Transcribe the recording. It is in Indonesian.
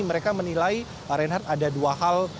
mereka menilai reinhardt ada dua hal